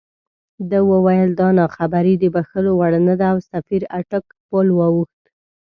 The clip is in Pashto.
ده وویل دا ناخبري د بښلو وړ نه ده او سفیر اټک پُل واوښت.